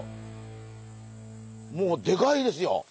もうでかいですよ！